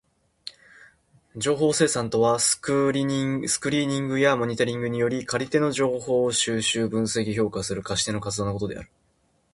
情報生産とはスクリーニングやモニタリングにより借り手の情報を収集、分析、評価する貸し手の活動のことである。